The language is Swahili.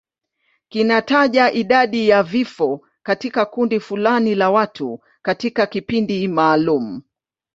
Kinataja idadi ya vifo katika kundi fulani la watu katika kipindi maalum.